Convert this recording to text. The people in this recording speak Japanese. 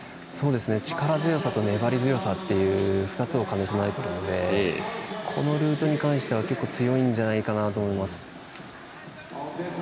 力強さと粘り強さっていう２つを兼ね備えているのでこのルートに関しては結構強いんじゃないかと思います。